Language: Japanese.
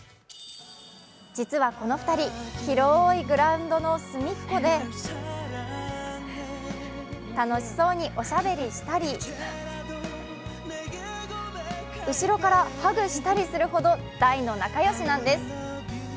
実はこの２人、広いグラウンドの隅っこで楽しそうにおしゃべりしたり後ろからハグしたりするほど大の仲良しなんです。